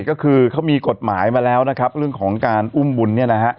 ก็คือเขามีกฎหมายมาแล้วนะครับเรื่องของการอุ้มบุญเนี่ยนะฮะ